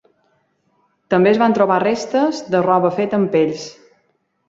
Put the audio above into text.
També es van trobar restes de roba feta amb pells.